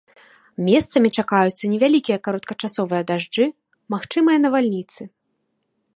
Месцамі чакаюцца невялікія кароткачасовыя дажджы, магчымыя навальніцы.